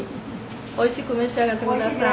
おいしく召し上がって下さい。